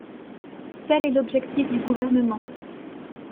Tel est l’objectif du Gouvernement.